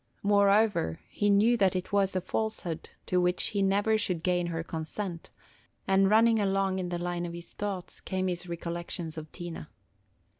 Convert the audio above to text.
Moreover, he knew that it was a falsehood to which he never should gain her consent; and running along in the line of his thoughts came his recollections of Tina.